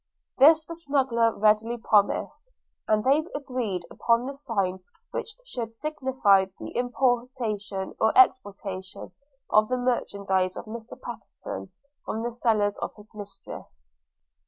This the smuggler readily promised, and they agreed upon the sign which should signify the importation or exportation of the merchandise of Mr Pattenson from the cellars of his mistress.